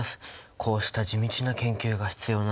こうした地道な研究が必要なんだね。